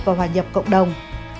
và hòa nhập cộng đồng